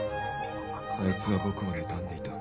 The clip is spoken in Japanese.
あいつは僕をねたんでいた。